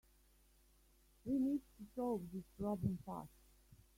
We need to solve this problem fast.